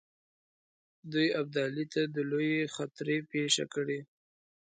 دوی ابدالي ته د لویې خطرې پېښه کړي.